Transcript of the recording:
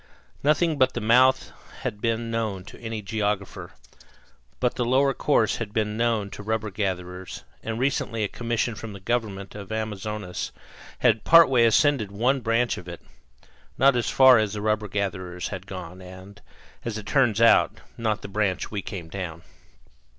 Nothing but the mouth had been known to any geographer; but the lower course had long been known to rubber gatherers, and recently a commission from the government of Amazonas had partway ascended one branch of it not as far as the rubber gatherers had gone, and, as it turned out, not the branch we came down.